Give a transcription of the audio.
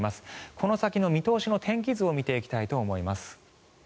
この先の見通しの天気図を見ていきたいと思います。